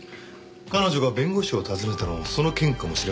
彼女が弁護士を訪ねたのもその件かもしれませんね。